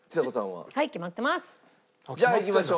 はい決まってます。